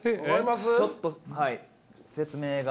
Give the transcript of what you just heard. ちょっとはい説明が。